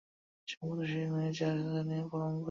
সম্ভবত, সে-ই সেই মেয়ে যার কথা সিনিয়র পরম বলেছিল।